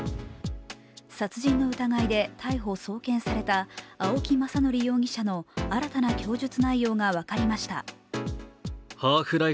殺人の疑いで逮捕・送検された青木政憲容疑者の新たな供述内容が分かりました。